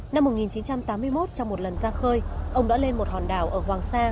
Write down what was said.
năm một nghìn chín trăm tám mươi một trong một lần ra khơi ông đã lên một hòn đảo ở hoàng sa